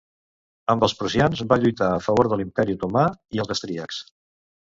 Amb els prussians va lluitar a favor de l'Imperi Otomà i els austríacs.